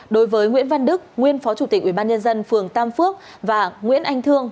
đối với nguyễn văn đức nguyên phó chủ tịch ubnd phường tam phước và nguyễn anh thương